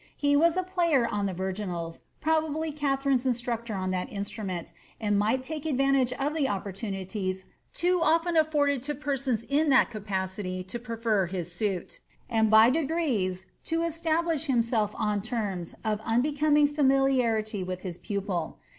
He was a player on the virginals, probably Katharine's instructor on that instrument, and might take advantage of the opportunities too often afforded to persons in that capacity to prefer his suit, and by degrees to establish himself on terms of unbecoming familiarity with his pupil.